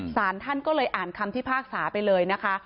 สารท่านก็เลยอ่านคำพิพากษาไปเลยนะคะ